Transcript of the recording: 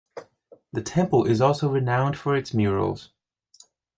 The temple is also renowned for its murals.